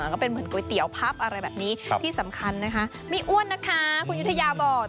ก็เป็นเหมือนก๋วยเตี๋ยวพับอะไรแบบนี้ที่สำคัญนะคะไม่อ้วนนะคะคุณยุธยาบอก